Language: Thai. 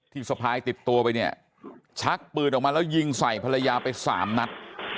สะพายติดตัวไปเนี่ยชักปืนออกมาแล้วยิงใส่ภรรยาไปสามนัด